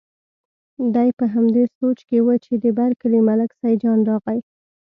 دی په همدې سوچ کې و چې د بر کلي ملک سیدجان راغی.